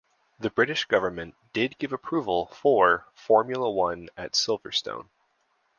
The British Government did give approval for Formula One at Silverstone.